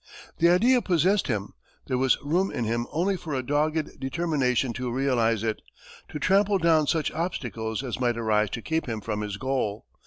The idea possessed him; there was room in him only for a dogged determination to realize it, to trample down such obstacles as might arise to keep him from his goal.